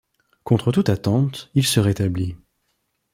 Contre toute attente, il se rétablit.